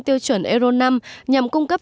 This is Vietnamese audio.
tiêu chuẩn euro năm nhằm cung cấp